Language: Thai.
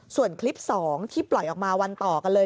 ส่วนคลิป๒ที่ปล่อยออกมาวันต่อกันเลย